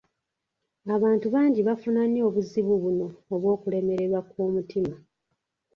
Abantu bangi bafuna nnyo obuzibu buno obw'okulemererwa kw'omutima